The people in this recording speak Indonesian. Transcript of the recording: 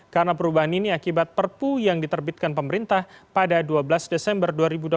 karena perubahan ini akibat perpu yang diterbitkan pemerintah pada dua belas desember dua ribu dua puluh dua